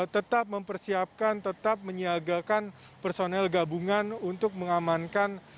tetap mempersiapkan tetap menyiagakan personel gabungan untuk mengamankan